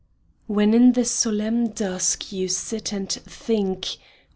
HEN in the solemn dusk you sit and think.